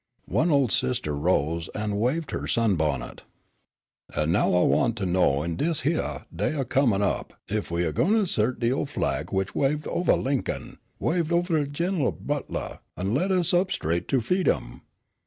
One old sister rose and waved her sunbonnet. "An' now I want to know in dis hyeah day o' comin' up ef we a gwineter 'sert de ol' flag which waved ovah Lincoln, waved ovah Gin'r'l Butler, an' led us up straight to f'eedom?